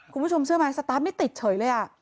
คุณผู้ชมเชื่อไหมสตาร์ทไม่ติดเฉยเลย